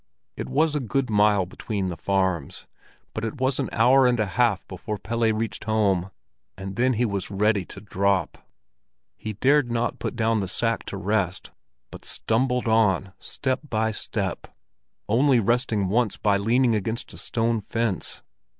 It was a good mile between the farms, but it was an hour and a half before Pelle reached home, and then he was ready to drop. He dared not put down the sack to rest, but stumbled on step by step, only resting once by leaning against a stone fence.